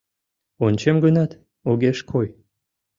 Ончем гынат, огеш кой.